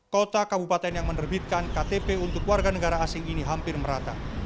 kota kabupaten yang menerbitkan ktp untuk warga negara asing ini hampir merata